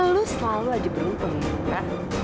lo selalu aja berhubung ya